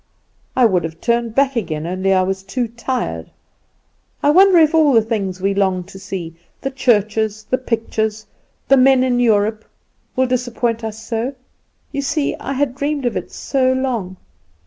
I would have turned back again, only I was too tired. I wonder if all the things we long to see the churches, the pictures, the men in Europe will disappoint us so! You see I had dreamed of it so long.